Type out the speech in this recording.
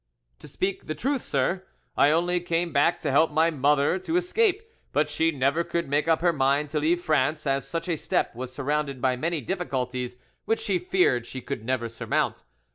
"To speak the truth, sir, I only came back to help my mother to escape; but she never could make up her mind to leave France, as such a step was surrounded by many difficulties which she feared she could never surmount.